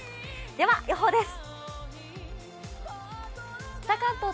では、予報です。